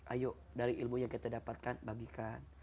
ayo dari ilmu yang kita dapatkan bagikan